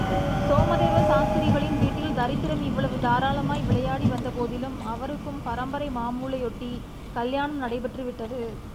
சோமதேவ சாஸ்திரிகளின் வீட்டில் தரித்திரம் இவ்வளவு தாராளமாய் விளையாடி வந்தபோதிலும், அவருக்கும் பரம்பரை மாமூலையொட்டி கல்யாணம் நடைபெற்று விட்டது.